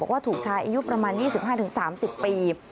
ว่าถูกชายอายุประมาณ๒๕๓๐ปี